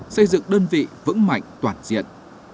xây dựng đơn vị vững mạnh toàn diện